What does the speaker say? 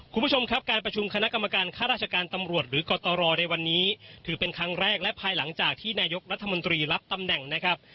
คุณผู้ชมครับการประชุมคณะกรรมการค่าราชการตำรวจหรือกตรในวันนี้ถือเป็นครั้งแรกและภายหลังจากที่นายกรัฐมนตรีรับตำแหน่งนะครับ